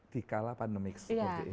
dikala pandemik seperti ini